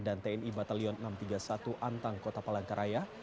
dan tni batalion enam ratus tiga puluh satu antang kota palangkaraya